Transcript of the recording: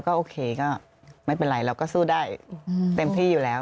ก็โอเคก็ไม่เป็นไรเราก็สู้ได้เต็มที่อยู่แล้ว